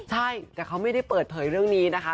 ใช่แต่เขาไม่ได้เปิดเผยเรื่องนี้นะคะ